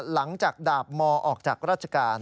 จากดาบมออกจากราชการ